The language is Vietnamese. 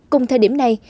cùng thời điểm này